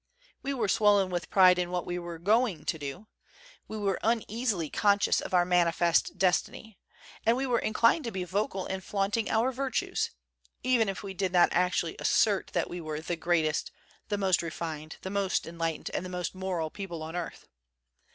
We were swollen with pride in what we were going to do; we were uneasily conscious of our manifest destiny; and we were inclined to be vocal in flaunting our virtues, even if we did not actually assert that we were ''the greatest, the most refined, the most en lightened, and the most moral people on earth.